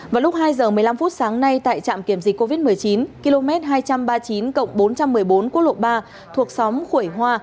vào lúc hai giờ một mươi năm phút sáng nay tại trạm kiểm dịch covid một mươi chín km hai trăm ba mươi chín cộng bốn trăm một mươi bốn quốc lộ ba thuộc xóm khuẩy hoa